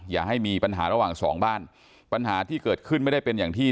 อย่าให้มีปัญหาระหว่างสองบ้านปัญหาที่เกิดขึ้นไม่ได้เป็นอย่างที่